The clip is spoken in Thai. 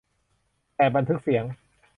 แถบบันทึกเสียง